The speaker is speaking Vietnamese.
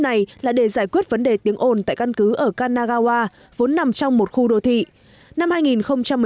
này là để giải quyết vấn đề tiếng ồn tại căn cứ ở kanagawa vốn nằm trong một khu đô thị tỉnh kanagawa